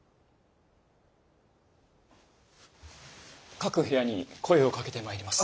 各部屋に声をかけてまいります。